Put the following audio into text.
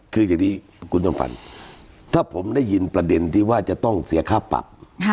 คืออย่างนี้คุณจำฝันถ้าผมได้ยินประเด็นที่ว่าจะต้องเสียค่าปรับ